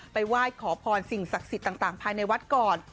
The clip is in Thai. ไหว้ขอพรสิ่งศักดิ์สิทธิ์ต่างภายในวัดก่อน